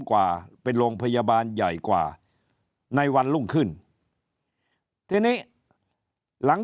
กว่าเป็นโรงพยาบาลใหญ่กว่าในวันรุ่งขึ้นทีนี้หลัง